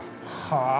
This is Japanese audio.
はあ。